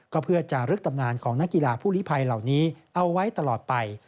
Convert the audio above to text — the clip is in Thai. ก็เพื่อจะลึกตำนานของนักกีฬาผู้ลิภัยเหล่านี้เอาไว้ตลอดไป